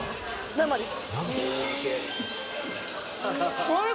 生です。